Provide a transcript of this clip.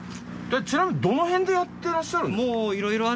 ちなみにどの辺でやってらっしゃるんですか？